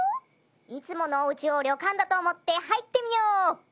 いつものおうちをりょかんだとおもってはいってみよう！